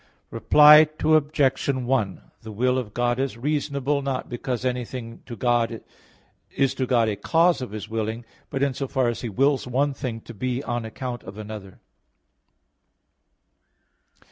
Reply Obj. 1: The will of God is reasonable, not because anything is to God a cause of willing, but in so far as He wills one thing to be on account of another.